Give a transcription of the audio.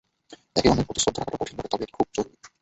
একে অন্যের প্রতি শ্রদ্ধা রাখাটা কঠিন বটে, তবে এটি খুব জরুরি।